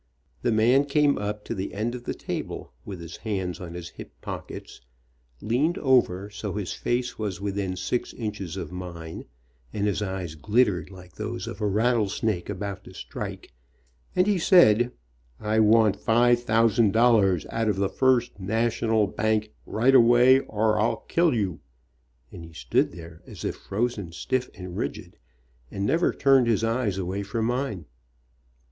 The man came up to the end of the table, with his hands on his hip pockets, leaned over so his face was within six inches of mine, and his eyes glittered like those of a rattlesnake about to strike, and he said, "I want five thousand dollars out of the First National bank, right away, or I'll kill you," and he stood there as if frozen stiff and rigid, and never turned his eyes away from mine.